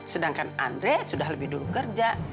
sedangkan andre sudah lebih dulu kerja